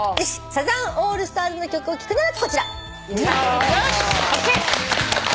「サザンオールスターズの曲を聴くなら」